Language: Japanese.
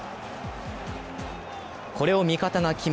これを味方が決め